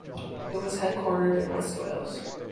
It is headquartered in west Wales.